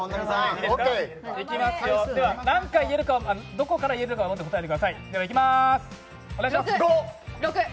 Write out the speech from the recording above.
どこから言えるか答えてください。